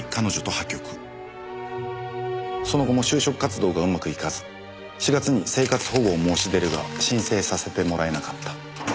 その後も就職活動がうまくいかず４月に生活保護を申し出るが申請させてもらえなかった。